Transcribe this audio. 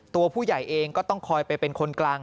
ตัวผู้ใหญ่เองก็ต้องคอยไปเป็นคนกลาง